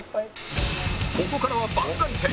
ここからは番外編